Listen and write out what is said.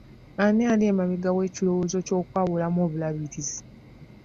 Ani ali emabega w'ekirowoozo ky'okwawulamu obulabirizi.